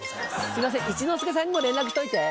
すみません一之輔さんにも連絡しといて。